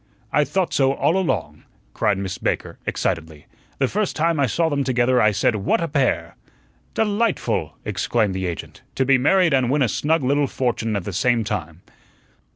"I thought so all along," cried Miss Baker, excitedly. "The first time I saw them together I said, 'What a pair!'" "Delightful!" exclaimed the agent, "to be married and win a snug little fortune at the same time."